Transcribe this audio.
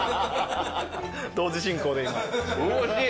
同時進行で今。おいしい。